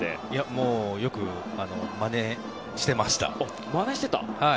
よくまねしていました。